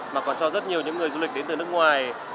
mà còn cho rất nhiều những người du lịch đến từ nước ngoài